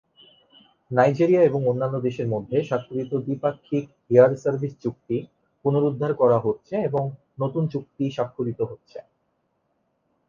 Nigeria এবং অন্যান্য দেশের মধ্যে স্বাক্ষরিত দ্বিপাক্ষিক এয়ার সার্ভিস চুক্তি পুনরুদ্ধার করা হচ্ছে এবং নতুন চুক্তি স্বাক্ষরিত হচ্ছে।